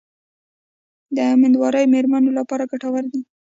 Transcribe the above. د امیندواره میرمنو لپاره ګټور دي.